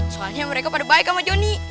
soalnya mereka pada baik sama johnny